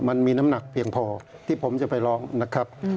มันมีน้ำหนักเพียงพอที่ผมจะไปร้องนะครับ